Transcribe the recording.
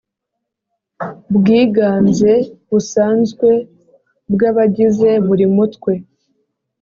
bwiganze busanzwe bw abagize buri Mutwe